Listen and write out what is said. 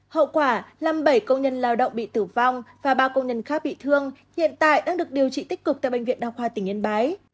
hậu quả năm bảy công nhân lao động bị tử vong và ba công nhân khác bị thương hiện tại đang được điều trị tích cực tại bệnh viện đa khoa tỉnh yên bái